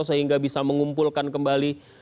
sehingga bisa mengumpulkan kembali